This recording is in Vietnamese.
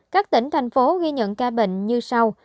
các tỉnh thành phố ghi nhận ca bệnh như sau